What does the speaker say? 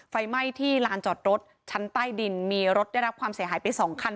ไฟไหม้ที่ลานจอดรถชั้นใต้ดินมีรถได้รับความเสียหายไปสองคัน